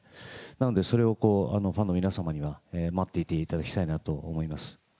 なので、それをファンの皆様には待っていていただきたいなと思います。